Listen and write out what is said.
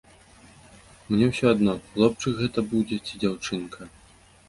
Мне ўсё адно, хлопчык гэта будзе ці дзяўчынка.